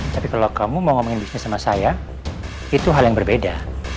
tapi kalau kamu mau ngomongin bisnis sama saya itu hal yang berbeda